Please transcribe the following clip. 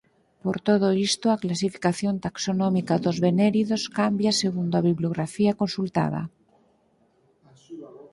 Por todo isto a clasificación taxonómica dos venéridos cambia segundo a bibliografía consultada.